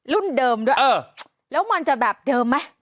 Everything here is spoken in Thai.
เดิมด้วยเออแล้วมันจะแบบเดิมไหม